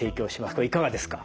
これいかがですか？